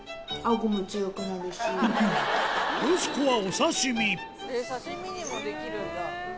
刺し身にもできるんだ。